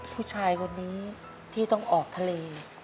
ผู้ชายคนนี้ที่ต้องออกทะเล